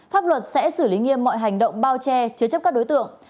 pháp luật sẽ xử lý nghiêm mọi hành động bao che chứa chấp các đối tượng